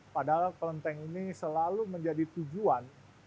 padahal kelenteng ini selalu menjadi tujuan